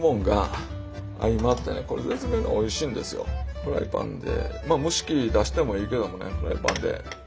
フライパンでまあ蒸し器出してもいいけどもねフライパンで。